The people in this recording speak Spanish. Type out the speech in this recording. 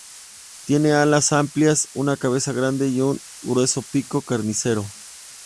Tiene alas amplias, una cabeza grande y un grueso pico "carnicero".